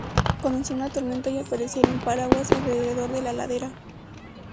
Comenzó una tormenta y aparecieron paraguas alrededor de la ladera.